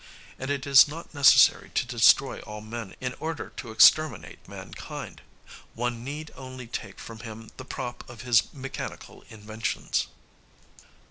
And it is not necessary to destroy all men in order to exterminate mankind; one need only take from him the prop of his mechanical inventions.